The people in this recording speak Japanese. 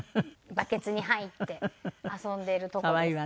バケツに入って遊んでいるとこです。